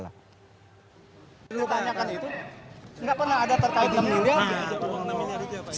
tidak pernah ada terkait enam miliar